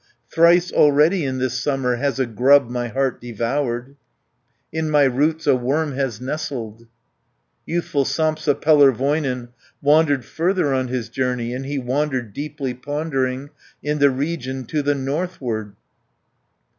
Thrice already in this summer, Has a grub my heart devoured, In my roots a worm has nestled." Youthful Sampsa Pellervoinen Wandered further on his journey, And he wandered, deeply pondering, In the region to the northward.